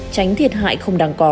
tránh thiệt hại không đáng có